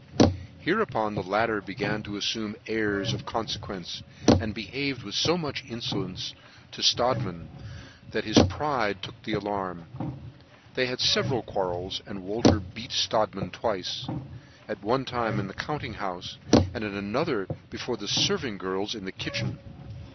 Hereupon the latter began to afl'ume airs of confequence, and behaved with fo much infolencc to Strodtman, that his pride took the alarm. They had feveral quarrels, and Wolter beat Strodtman twice; at one time in the compting houfe, and at' another before the fervant girls in the kitchen.